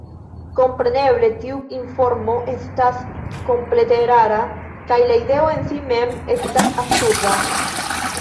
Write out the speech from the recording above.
Kompreneble tiu informo estas komplete erara, kaj la ideo en si mem estas absurda.